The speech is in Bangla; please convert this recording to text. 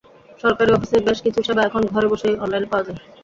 সরকারি অফিসের বেশ কিছু সেবা এখন ঘরে বসেই অনলাইনে পাওয়া যায়।